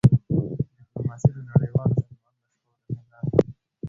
ډيپلوماسي د نړیوالو سازمانونو د شخړو د حل لاره ده.